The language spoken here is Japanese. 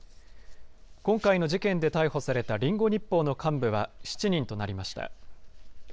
今回の事件で逮捕されたリンゴ日報の幹部は７人となりました。